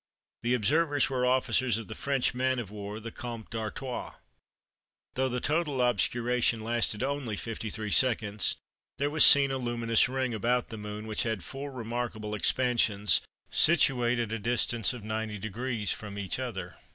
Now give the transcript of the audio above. The observers were officers of the French man of war the Comte d'Artois. Though the total obscuration lasted only 53 secs., there was seen a luminous ring about the Moon which had four remarkable expansions, situate at a distance of 90° from each other.